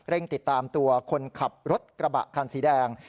ติดตามตัวคนขับรถกระบะคันสีแดง